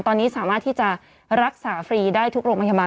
ตอนนี้สามารถที่จะรักษาฟรีได้ทุกโรงพยาบาล